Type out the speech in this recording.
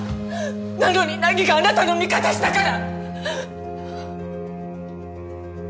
なのに凪があなたの味方したから！